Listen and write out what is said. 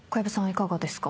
いかがですか？